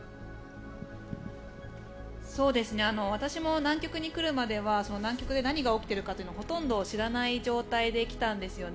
私も南極に来るまでは南極で何が起きているかほとんど知らない状態で来たんですよね。